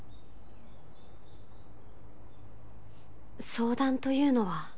相談というのは？